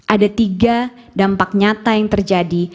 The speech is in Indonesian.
ada tiga dampak nyata yang terjadi